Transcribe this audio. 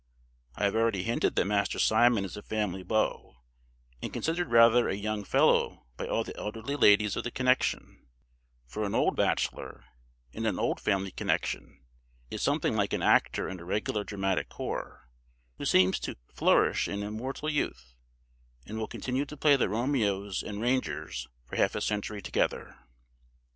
I have already hinted that Master Simon is a family beau, and considered rather a young fellow by all the elderly ladies of the connexion; for an old bachelor, in an old family connexion, is something like an actor in a regular dramatic corps, who seems "to flourish in immortal youth," and will continue to play the Romeos and Rangers for half a century together.